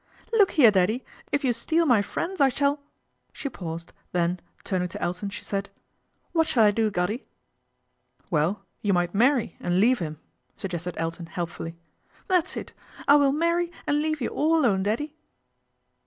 " Look here, Daddy, if you steal my friends ] shall " she paused, then turning to Elton sh< said, " What shall I do, Goddy ?"" Well, you might marry and leave him,' suggested Elton helpfully. " That's it. I will marry and leave you al alone, Daddy."